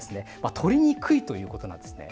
取りにくいということなんですね。